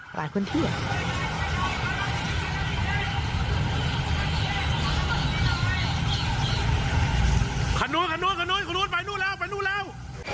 ขนนู้นไปนู้นแล้ว